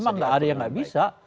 memang tidak ada yang tidak bisa